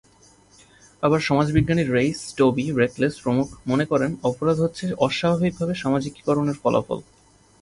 আবার সমাজবিজ্ঞানী Reiss, Toby, Reckless প্রমুখ মনে করেন অপরাধ হচ্ছে অস্বাভাবিকভাবে সামাজিকীকরণের ফলাফল।